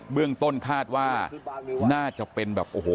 เรื่องต้นคาดว่าน่าจะเป็นแบบโอ้โห